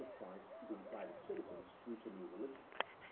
251 of Christ, being private citizens, preach a new religion